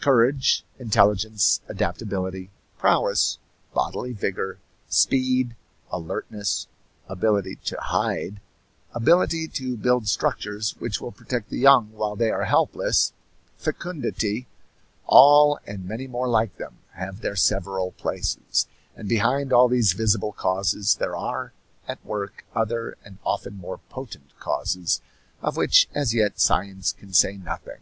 Courage, intelligence, adaptability, prowess, bodily vigor, speed, alertness, ability to hide, ability to build structures which will protect the young while they are helpless, fecundity all, and many more like them, have their several places; and behind all these visible causes there are at work other and often more potent causes of which as yet science can say nothing.